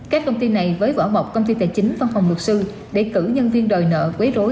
các công ty này với vỏ bọc công ty tài chính văn phòng luật sư để cử nhân viên đòi nợ quấy rối